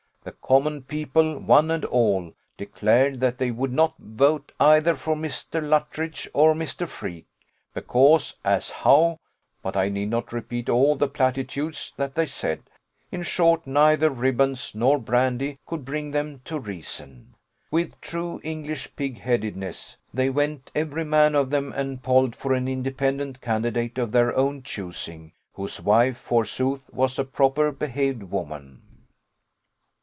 The common people, one and all, declared that they would not vote either for Mr. Luttridge or Mr. Freke, because as how but I need not repeat all the platitudes that they said. In short, neither ribands nor brandy could bring them to reason. With true English pig headedness, they went every man of them and polled for an independent candidate of their own choosing, whose wife, forsooth, was a proper behaved woman.